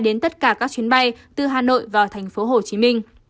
đến tất cả các chuyến bay từ hà nội vào tp hcm